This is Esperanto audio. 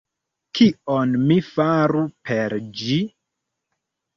Kion mi faru per ĝi...